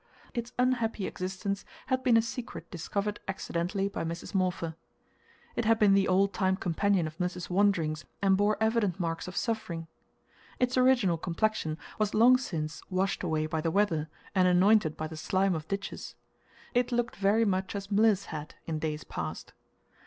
Its unhappy existence had been a secret discovered accidentally by Mrs. Morpher. It had been the old time companion of Mliss's wanderings, and bore evident marks of suffering. Its original complexion was long since washed away by the weather and anointed by the slime of ditches. It looked very much as Mliss had in days past.